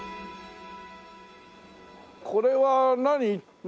これは何？